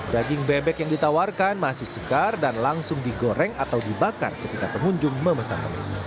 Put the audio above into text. daging bebek yang ditawarkan masih segar dan langsung digoreng atau dibakar ketika pengunjung memesan telur